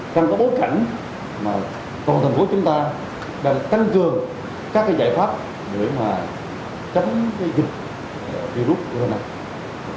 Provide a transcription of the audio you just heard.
trong các bối cảnh mà cộng thành phố chúng ta đang tăng cường các giải pháp để mà chấm dịch virus